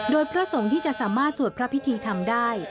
โดยพระสงฆ์ที่จะสามารถสวดพระพิธีธรรมได้